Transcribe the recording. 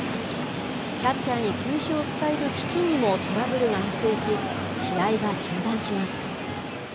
キャッチャーに球種を伝える機器にもトラブルが発生し、試合は中断します。